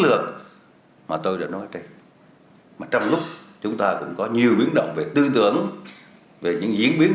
lược mà tôi đã nói trên mà trong lúc chúng ta cũng có nhiều biến động về tư tưởng về những diễn biến